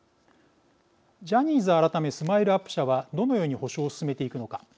ジャニーズ改めＳＭＩＬＥ−ＵＰ．社はどのように補償を進めていくのか。